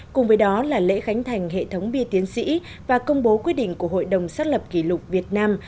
cùng với đó là lễ khánh thành hệ thống bia tiến sĩ và công bố quyết định của hội đồng xác lập kỷ lục việt nam